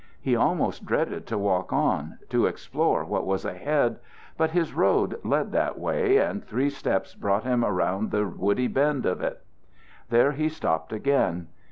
He almost dreaded to walk on, to explore what was ahead. But his road led that way, and three steps brought him around the woody bend of it. There he stopped again.